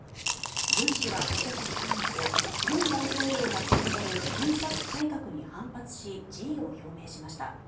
ユン氏は今年３月文大統領が進める検察改革に反発し辞意を表明しました。